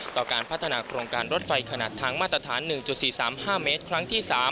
การพัฒนาโครงการรถไฟขนาดทางมาตรฐาน๑๔๓๕เมตรครั้งที่๓